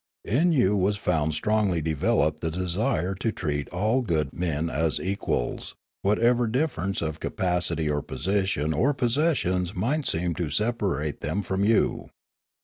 In you was found strongly developed the desire to treat all good men as equals, whatever difference of capacity or position or possessions might seem to sepa rate them from you.